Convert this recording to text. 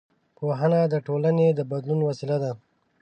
پوهنه د ټولنې د بدلون وسیله ده